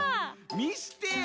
みしてよ。